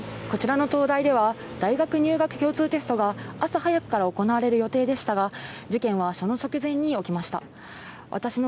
こちらの東大では大学入学共通テストが朝早くから行われる予定でしたが、事件はその直前に起きました。